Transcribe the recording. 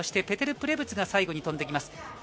ペテル・プレブツが最後に飛んできます。